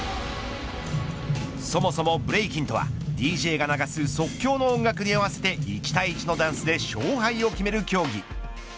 そもそもブレイキンとはＤＪが流す即興の音楽に合わせて１対１のダンスで勝敗を決める競技。